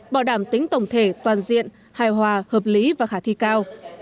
bảo đảm tính tổng thể toàn diện hài hòa hợp lý và khả thi cao